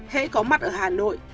hãy có mặt ở hà nội